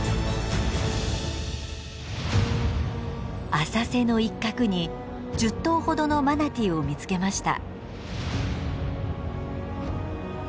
浅瀬の一角に１０頭ほどのマナティーを見つけました。